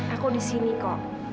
aku di sini kok